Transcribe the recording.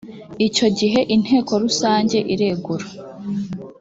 icyo gihe inteko rusange iregura